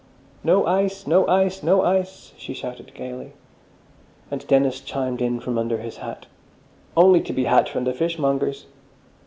"No ice! No ice! No ice!" she shouted gaily. And Dennis chimed in from under his hat. "Only to be had from the fishmonger's."